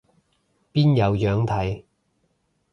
邊有樣睇